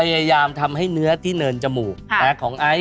ถ้าอย่างนี้เราไปทุบจมูกให้มันเดียว